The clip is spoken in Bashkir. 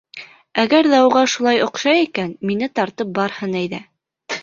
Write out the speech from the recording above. Әгәр ҙә уға шулай оҡшай икән, мине тартып барһын әйҙә.